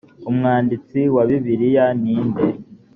umwanditsi wa bibiliya ni nde?